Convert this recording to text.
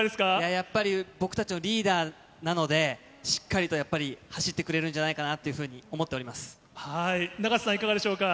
やっぱり僕たちのリーダーなので、しっかりと、やっぱり走ってくれるんじゃないかなっていうふうに思っておりま永瀬さん、いかがでしょうか。